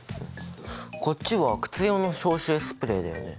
こっちは靴用の消臭スプレーだよね。